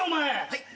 はい。